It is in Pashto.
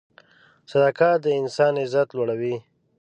صداقت د انسان عزت لوړوي.